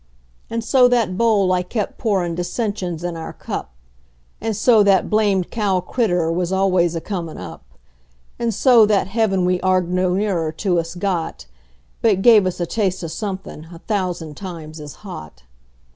And so that bowl kept pourin' dissensions in our cup; And so that blamed cow critter was always a comin' up; And so that heaven we arg'ed no nearer to us got, But it gave us a taste of somethin' a thousand times as hot.